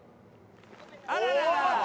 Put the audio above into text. あらららら。